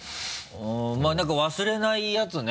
まぁ何か忘れないやつね？